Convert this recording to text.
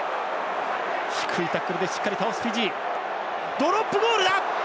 ドロップゴールだ！